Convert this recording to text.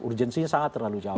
urgensinya sangat terlalu jauh